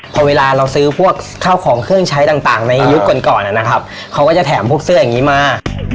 พอเวลาเราซื้อพวกข้าวของเครื่องใช้ต่างในยุคก่อนก่อนนะครับเขาก็จะแถมพวกเสื้ออย่างนี้มา